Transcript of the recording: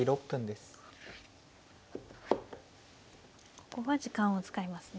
ここは時間を使いますね。